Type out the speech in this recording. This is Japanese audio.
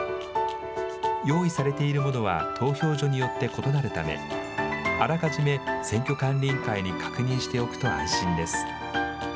用意されているものは投票所によって異なるため、あらかじめ選挙管理委員会に確認しておくと安心です。